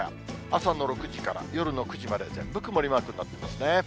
朝の６時から夜の９時まで、全部曇りマークになっていますね。